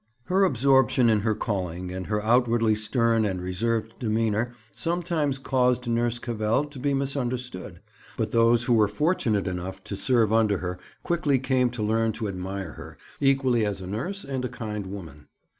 Her absorption in her calling and her outwardly stern and reserved demeanour sometimes caused Nurse Cavell to be misunderstood; but those who were fortunate enough to serve under her quickly came to learn to admire her, equally as a nurse and a kind woman.